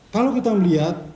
kalau kita melihat